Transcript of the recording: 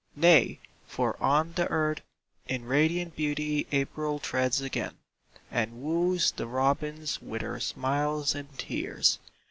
Nay, for on the earth In radiant beauty April treads again, And wooes the robins with her smiles and tears.